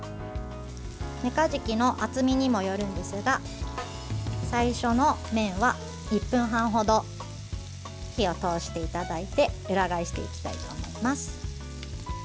めかじきの厚みにもよるんですが最初の面は１分半ほど火を通していただいて裏返していきたいと思います。